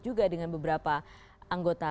juga dengan beberapa anggota